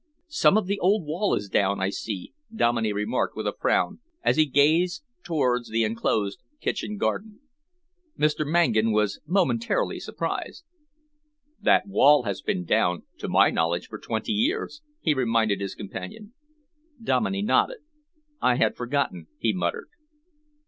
"Some of the old wall is down, I see," Dominey remarked with a frown, as he gazed towards the enclosed kitchen garden. Mr. Mangan was momentarily surprised. "That wall has been down, to my knowledge, for twenty years," he reminded his companion. Dominey nodded. "I had forgotten," he muttered.